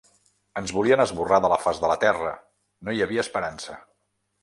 Ens volien esborrar de la faç de la terra, no hi havia esperança.